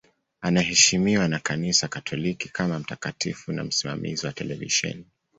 Anaheshimiwa na Kanisa Katoliki kama mtakatifu na msimamizi wa televisheni.